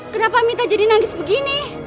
kenapa mita jadi nangis begini